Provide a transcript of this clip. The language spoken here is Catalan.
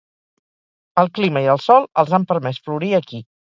El clima i el sòl els han permès florir aquí.